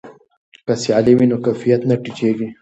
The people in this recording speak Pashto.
که سیالي وي نو کیفیت نه ټیټیږي.